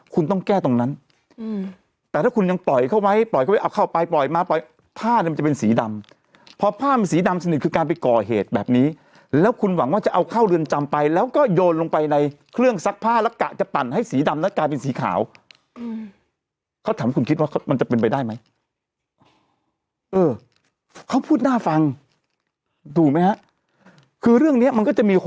คุณต้องแก้ตรงนั้นอืมแต่ถ้าคุณยังปล่อยเขาไว้ปล่อยเขา